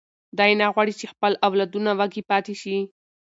دی نه غواړي چې خپل اولادونه وږي پاتې شي.